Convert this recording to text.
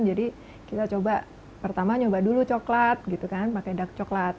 jadi kita coba pertama nyoba dulu coklat gitu kan pakai dark coklat